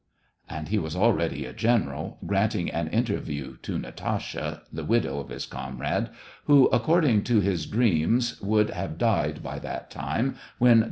." and he was already a general, granting an interview to Natasha, the widow of his comrade, who, according to his dreams, would have died by that time, when the 44 SEVASTOPOL IN MAY.